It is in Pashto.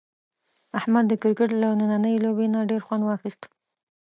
احمد د کرکټ له نننۍ لوبې نه ډېر خوند واخیست.